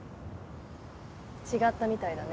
違ったみたいだね。